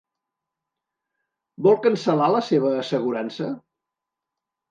Vol cancel·lar la seva assegurança?